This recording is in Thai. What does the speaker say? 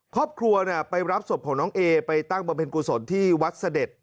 ครอบครัวไปรับศพของน้องเอไปตั้งบำเพ็ญกุศลที่วัดเสด็จ